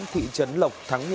thị trấn lộc thắng